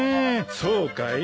そうかい？